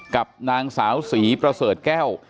กับนางสาวศรีประเสริฐแก้ว